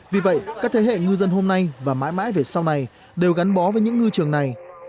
vì vậy các thế hệ ngư dân hôm nay và mãi mãi về sau này đều gắn bó với những ngư trường này